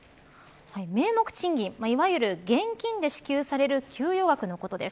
名目賃金、いわゆる現金で支給される給与額のことです。